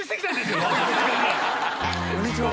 こんにちは。